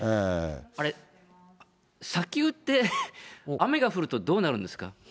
あれ、砂丘って、雨が降るとどうなるんですか。